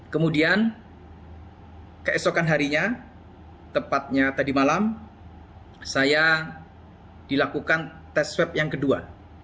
kemudian keesokan harinya tepatnya tadi malam saya dilakukan tes swab yang kedua